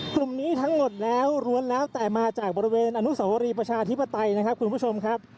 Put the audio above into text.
กลุ่มนี้ทั้งหมดแล้วล้วนแล้วแต่มาจากบริเวณอนุสาวรีประชาธิปไตยนะครับคุณผู้ชมครับ